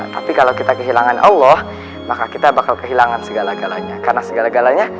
tapi kalau kita kehilangan allah maka kita bakal kehilangan segala galanya